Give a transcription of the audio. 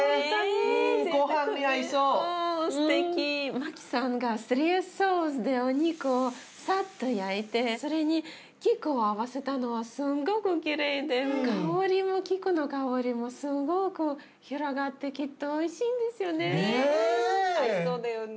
マキさんが３Ｓソースでお肉をさっと焼いてそれに菊を合わせたのはすごくきれいで香りも菊の香りもすごく広がってきっとおいしいんですよね。ね！